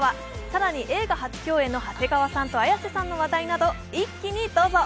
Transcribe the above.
更に映画初共演の長谷川さんと綾瀬さんの話題など一気にどうぞ。